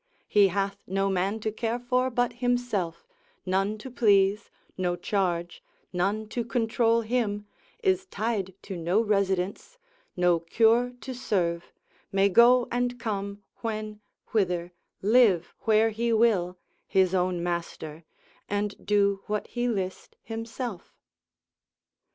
he hath no man to care for but himself, none to please, no charge, none to control him, is tied to no residence, no cure to serve, may go and come, when, whither, live where he will, his own master, and do what he list himself.